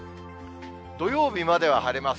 土曜日までは晴れます。